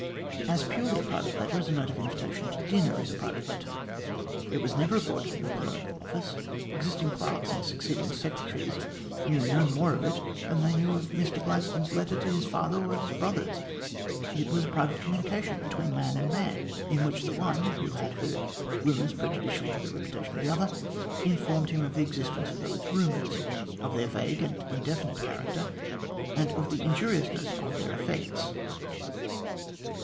as purely a private letter as a note of invitation to dinner is a private letter. It was never recorded in the Colonial Office ; existing clerks and succeeding secretaries knew no more of it than they knew of Mr Gladstone's letters to his father or his brothers ; it was a private communication between man and man, in which the one who had heard rumours prejudicial to the reputation of the other, informed him of the existence of those rumours, of their vague and indefinite character, and of the injuriousness of their effects.